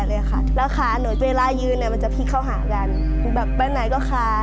แล้วพูดเวลายืนจะพลิกเข้าหากันแบบเป้นใดก็คาว